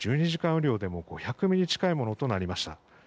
雨量でも５００ミリ近いものとなりました。